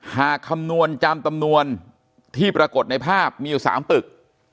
คำนวณจำจำนวนที่ปรากฏในภาพมีอยู่๓ปึก